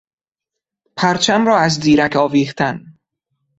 پرچم را از دیرک آویختن